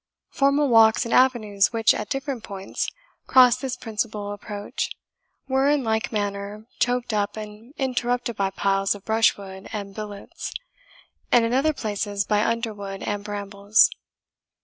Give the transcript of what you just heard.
Formal walks and avenues, which, at different points, crossed this principal approach, were, in like manner, choked up and interrupted by piles of brushwood and billets, and in other places by underwood and brambles.